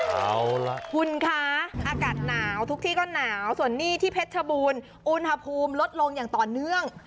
เอาล่ะคุณคะอากาศหนาวทุกที่ก็หนาวส่วนนี้ที่เพชรชบูรณ์อุณหภูมิลดลงอย่างต่อเนื่อง